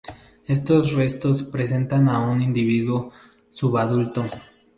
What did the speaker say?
Estos restos representan a un individuo subadulto.